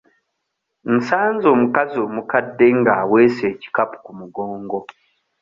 Nsanze omukazi omukadde nga aweese ekikapu ku mugongo.